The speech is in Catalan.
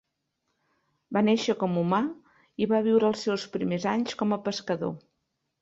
Va néixer com humà i va viure els seus primers anys com a pescador.